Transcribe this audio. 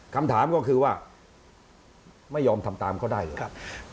คำถามก็คือว่าไม่ยอมทำตามเขาได้หรือครับ